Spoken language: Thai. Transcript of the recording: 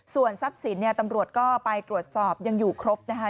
ส่วนทรัพย์สินเนี่ยตำรวจก็ไปตรวจสอบยังอยู่ครบนะคะ